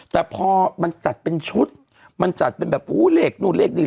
แต่พอมันจัดเป็นชุดมันจัดเป็นแบบอู้เลขนู่นเลขนี่